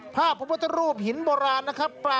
พระพุทธรูปหินโบราณนะครับ